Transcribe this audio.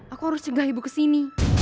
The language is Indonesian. aku harus cegah ibu kesini